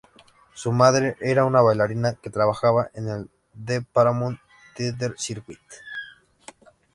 Su madre era una bailarina que trabajaba en "The Paramount Theater circuit".